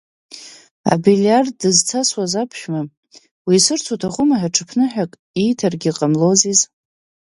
Абилиард дызцасуаз аԥшәма, уеисырц уҭахума ҳәа ҽԥныҳәак ииҭаргьы ҟамлозиз.